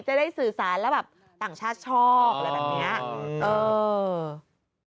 จะได้สื่อสารแล้วแบบต่างชาติชอบอะไรแบบนี้